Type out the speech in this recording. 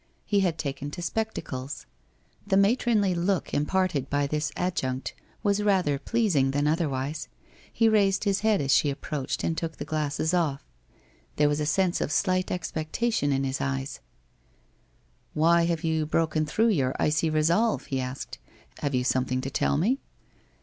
He had taken to spectacles. The matronly look imparted by this adjunct was rather pleasing than otherwise. He raised his head as she approached and took the glasses off. There was a sense of slight expectation in his eyes: 1 Why have you broken through your icy resolve ?' he asked. ' Have you something to tell me?